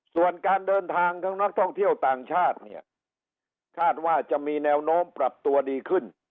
ส่วนการเดินทางของนักท่องเที่ยวต่างชาติเนี่ยคาดว่าจะมีแนวโน้มปรับตัวดีขึ้น